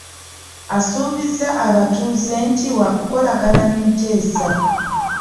Asuubizza abatuuze nti waakukolagana ne Muteesa.